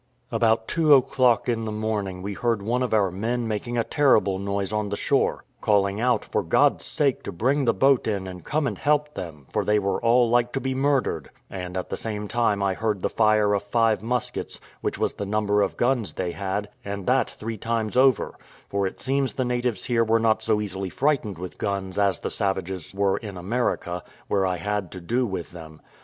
About two o'clock in the morning we heard one of our men making a terrible noise on the shore, calling out, for God's sake, to bring the boat in and come and help them, for they were all like to be murdered; and at the same time I heard the fire of five muskets, which was the number of guns they had, and that three times over; for it seems the natives here were not so easily frightened with guns as the savages were in America, where I had to do with them.